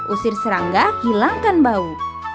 usir serangga hilangkan bau